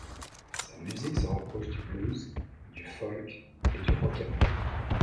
Sa musique se rapproche du blues, du folk et du rock and roll.